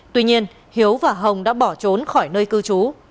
tuy nhiên hiếu và hồng đã bỏ trốn khỏi nơi cư trú